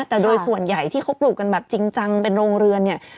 แต่โดยส่วนใหญ่ที่เขาปลูกกันแบบจริงจังเป็นโรงเรือนเนี่ย